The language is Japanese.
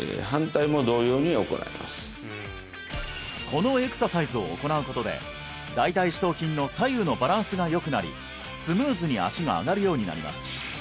このエクササイズを行うことで大腿四頭筋の左右のバランスがよくなりスムーズに脚が上がるようになります